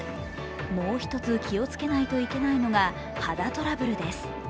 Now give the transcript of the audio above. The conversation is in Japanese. もう１つ気をつけないといけないのが肌トラブルです。